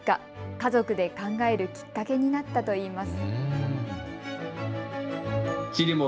家族で考えるきっかけになったといいます。